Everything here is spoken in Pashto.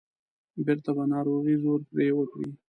بیرته به ناروغۍ زور پرې وکړ.